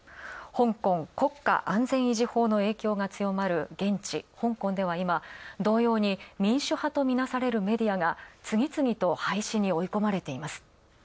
香港国家安全維持法の影響が強まる現地香港では今、同様に民主派とみなされるメディアが、次々と廃止に追い込まれています。